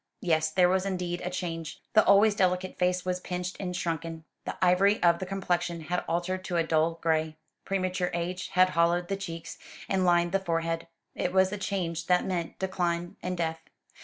Yes, there was indeed a change. The always delicate face was pinched and shrunken. The ivory of the complexion had altered to a dull gray. Premature age had hollowed the cheeks, and lined the forehead. It was a change that meant decline and death.